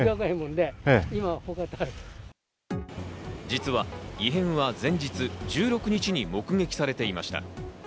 実は異変は前日１６日に目撃されていました。